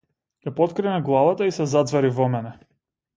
Ја поткрена главата и се заѕвери во мене.